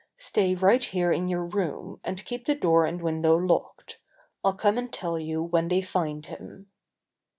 "Stay right here in your room, and keep the door and window locked. I'll come and tell you when they find him."